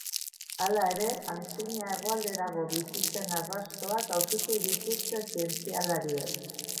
Hala ere, antzina hegoalderago bizi zen arrastoak aurkitu dituzte zientzialariek.